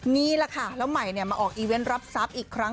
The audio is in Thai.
นี่แหละค่ะแล้วใหม่มาออกอีเวนต์รับทรัพย์อีกครั้ง